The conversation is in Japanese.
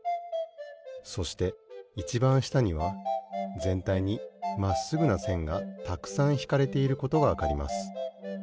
そしていちばんしたにはぜんたいにまっすぐなせんがたくさんひかれていることがわかります。